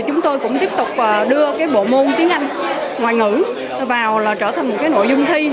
chúng tôi cũng tiếp tục đưa bộ môn tiếng anh ngoại ngữ vào trở thành nội dung thi